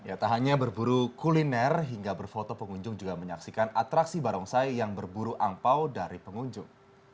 ya tak hanya berburu kuliner hingga berfoto pengunjung juga menyaksikan atraksi barongsai yang berburu angpao dari pengunjung